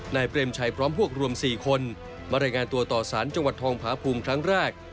เปรมชัยพร้อมพวกรวม๔คนมารายงานตัวต่อสารจังหวัดทองพาภูมิครั้งแรก